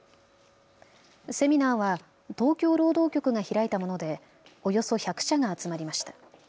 セミナーは東京労働局が開いたものでおよそ１００社が集まりました。